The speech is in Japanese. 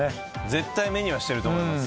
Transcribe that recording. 絶対目にはしてると思います。